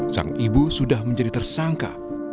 sang ibu sudah menjadi tersangka